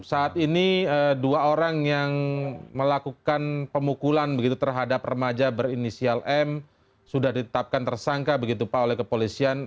saat ini dua orang yang melakukan pemukulan begitu terhadap remaja berinisial m sudah ditetapkan tersangka begitu pak oleh kepolisian